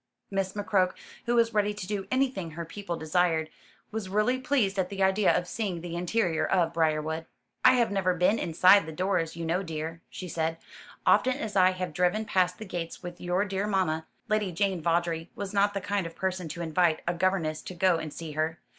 Miss McCroke, who was ready to do anything her pupil desired, was really pleased at the idea of seeing the interior of Briarwood. "I have never been inside the doors, you know, dear," she said, "often as I have driven past the gates with your dear mamma. Lady Jane Vawdrey was not the kind of person to invite a governess to go and see her.